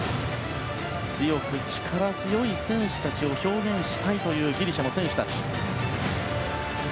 強く力強い戦士たちを表現したいというギリシャの選手たち。